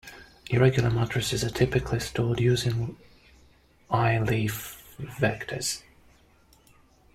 Irregular matrices are typically stored using Iliffe vectors.